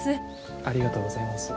ありがとうございます。